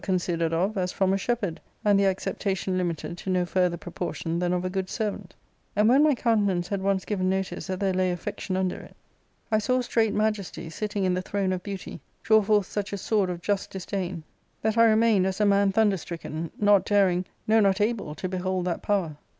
^Book IL ^/considered of as from a shepherd, and the acceptation limited to no further proportion than of a good servant And when my countenance had once given notice that there lay affec tion under it, I saw straight majesty, sitting in the throne of beauty, draw forth such a sword of just disdain that I re mained as a man thunder stricken, not daring — ^no, not able to behold that power.